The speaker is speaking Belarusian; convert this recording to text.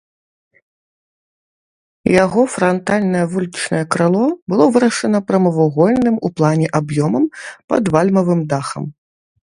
Яго франтальнае вулічнае крыло было вырашана прамавугольным у плане аб'ёмам пад вальмавым дахам.